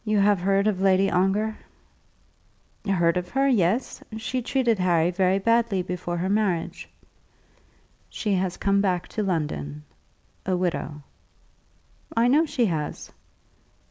"You have heard of Lady Ongar?" "Heard of her; yes. She treated Harry very badly before her marriage." "She has come back to London, a widow." "I know she has.